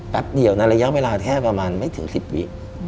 เดียวในระยะเวลาแค่ประมาณไม่ถึง๑๐วิ